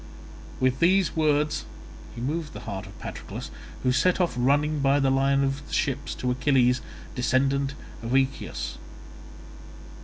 With these words he moved the heart of Patroclus, who set off running by the line of the ships to Achilles, descendant of Aeacus.